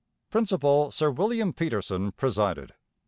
Principal Sir William Peterson presided.